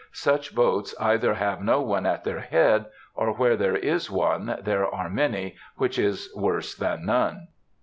Such boats either have no one at their head, or where there is one there are many, which is worse than none.